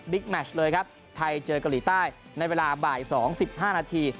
แมชเลยครับไทยเจอเกาหลีใต้ในเวลาบ่าย๒๕นาที